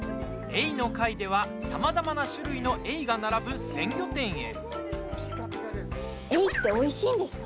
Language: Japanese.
エイの回ではさまざまな種類のエイが並ぶ鮮魚店へ。